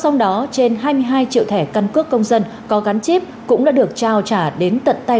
trong đó trên hai mươi hai triệu thẻ căn cước công dân có gắn chip cũng đã được trao trả đến tận tay